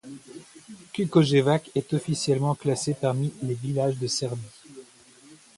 Čukojevac est officiellement classé parmi les villages de Serbie.